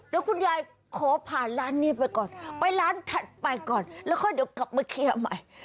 เดี๋ยวคุณยายขอผ่านร้านนี้ไปก่อนไปร้านถัดไปก่อนแล้วค่อยเดี๋ยวกลับมาเคลียร์ใหม่